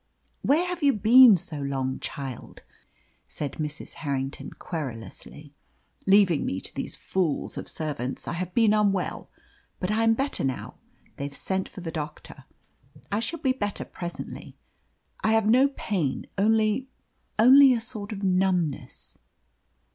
"Where have you been so long, child?" said Mrs. Harrington querulously, "leaving me to these fools of servants. I have been unwell, but I'm better now. They've sent for the doctor. I shall be better presently. I have no pain, only only a sort of numbness."